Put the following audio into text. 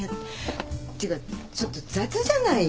っていうかちょっと雑じゃない？